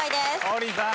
王林さん。